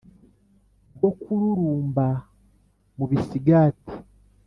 Rwo kururumba mu bisigati